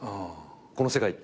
この世界って。